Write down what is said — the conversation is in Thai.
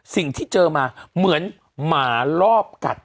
สิ่งที่เจอมาเหมือนหมาลอบกัด